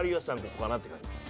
ここかなって感じです。